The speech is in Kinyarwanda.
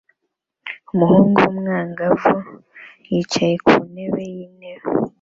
Umuhungu w'umwangavu yicaye ku ntebe y'intebe